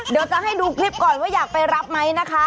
เดี๋ยวจะให้ดูคลิปก่อนว่าอยากไปรับไหมนะคะ